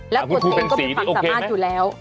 แล้วก็ตรงก็มีฝังสามารถอยู่แล้ว